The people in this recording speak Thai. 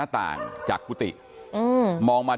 ฐานพระพุทธรูปทองคำ